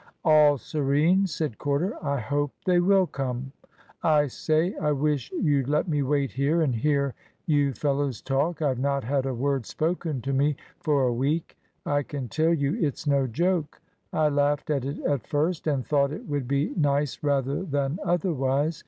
"All serene," said Corder; "I hope they will come. I say, I wish you'd let me wait here and hear you fellows talk. I've not had a word spoken to me for a week. I can tell you it's no joke. I laughed at it at first, and thought it would be nice rather than otherwise.